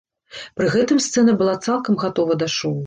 Пры гэтым сцэна была цалкам гатова да шоу.